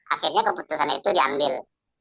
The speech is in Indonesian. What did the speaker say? akhirnya keputusan itu diambil